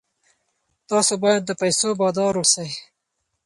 تاسو باید د پیسو بادار اوسئ.